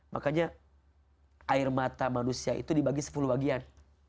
makanya air mata manusia itu dibagi sepuluh bagian